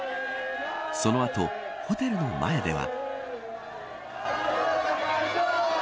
その後、ホテルの前では。